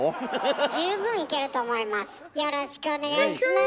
よろしくお願いします。